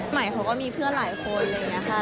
ใหม่เขาก็มีเพื่อนหลายคนเลยค่ะ